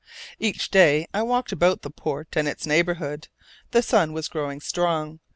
Each day I walked about the port and its neighbourhood. The sun was growing strong.